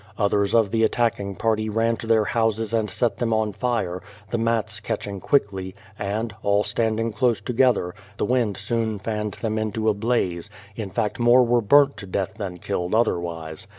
Others of the attacking party ran to their houses and set them on fire, the mats catch ing quickly, and, all standing close together, the wind soon fanned them into a blaze, — in fact more were burnt to death than killed otherwise.